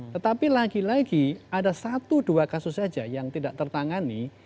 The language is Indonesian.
tetapi lagi lagi ada satu dua kasus saja yang tidak tertangani